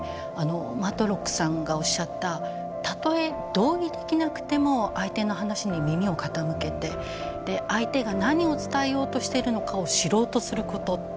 マトロックさんがおっしゃったたとえ同意できなくても相手の話に耳を傾けて相手が何を伝えようとしているのかを知ろうとすること。